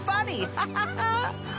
ハハハハ！